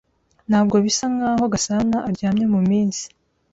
Ntabwo bisa nkaho Gasanaaryamye muminsi.